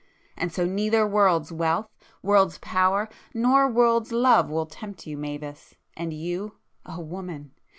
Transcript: And so neither world's wealth, world's power, nor world's love will tempt you, Mavis!—and you,—a woman!